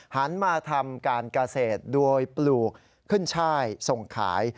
หันมาทำการเกษตรโดยปลูกขึ้นช่ายส่งขาย